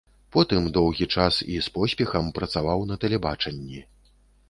Потым доўгі час, і з поспехам, працаваў на тэлебачанні.